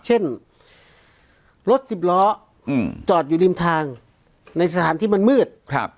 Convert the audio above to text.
เช่นรถสิบล้อจอดอยู่ริมทางในสถานที่มันมืด